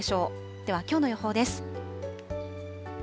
ではきょうの予報です。